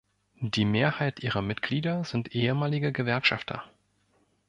Die Mehrheit ihrer Mitglieder sind ehemalige Gewerkschafter.